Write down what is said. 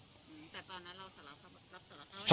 แต่ตอนนั้นเราสลับครับรับสลับเขา